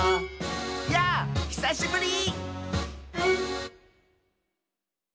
「やぁひさしぶり！」